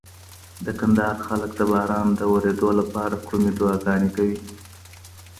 د کندهار خلګ د باران د ورېدو لپاره کومي دعاګانې کوي؟